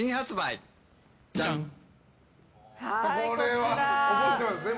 これは覚えてますね。